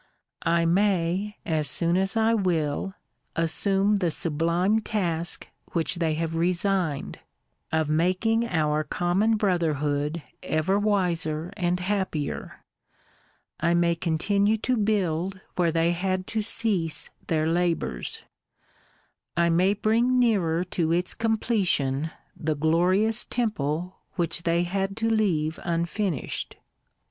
I may, as soon as I will, assume the sublime task which they have resigned, of making our common bro therhood ever wiser and happier; I may continue to build where they had to cease their labours ; I may bring nearer to its completion the glorious temple which they had to leave unfinished.'